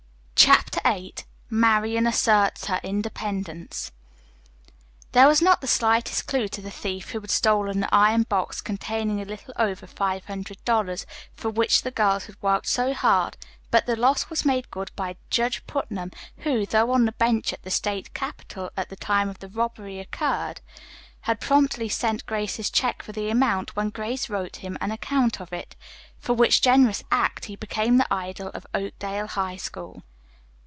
CHAPTER VIII MARIAN ASSERTS HER INDEPENDENCE There was not the slightest clue to the thief who had stolen the iron box containing a little over five hundred dollars, for which the girls had worked so hard, but the loss was made good by Judge Putnam who, though on the bench at the state capital at the time the robbery occurred, had promptly sent Grace his check for the amount when Grace wrote him an account of it. For which generous act he became the idol of Oakdale High School.